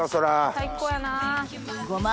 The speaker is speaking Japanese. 最高やな。